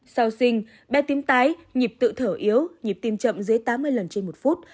sau sinh bé tím tái nhịp tự thở yếu nhịp tim chậm dưới tám mươi lần trên một phút